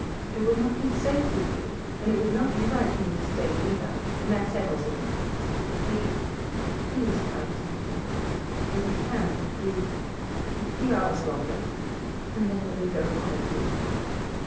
It would not be safe for you and it would not be right for me to stay, either, and that settles it. Be be as kind to me as you can a few a few hours longer, and then let me go quietly."